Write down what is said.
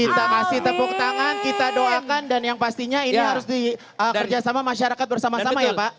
kita kasih tepuk tangan kita doakan dan yang pastinya ini harus dikerjasama masyarakat bersama sama ya pak